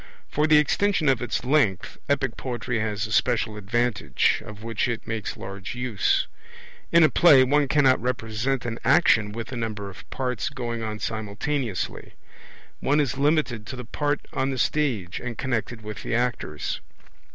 For the extension of its length epic poetry has a special advantage, of which it makes large use. In a play one cannot represent an action with a number of parts going on simultaneously; one is limited to the part on the stage and connected with the actors.